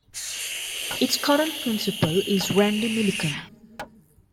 Its current principal is Randy Milliken.